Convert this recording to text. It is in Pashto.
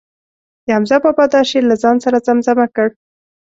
د حمزه بابا دا شعر له ځان سره زمزمه کړ.